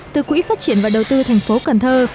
từ quỹ phát triển và đầu tư thành phố cần thơ